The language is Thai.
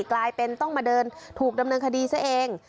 กลายเป็นต้องมาเดินถูกดำเนินคดีซะเอง